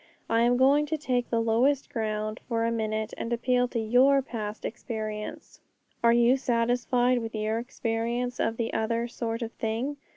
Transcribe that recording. I am going to take the lowest ground for a minute, and appeal to your 'past experience.' Are you satisfied with your experience of the other 'sort of thing'?